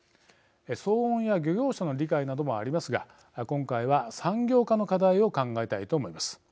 騒音や漁業者の理解などもありますが今回は産業化の課題を考えたいと思います。